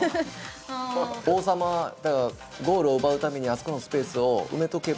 王様だからゴールを奪うためにあそこのスペースを埋めとけば。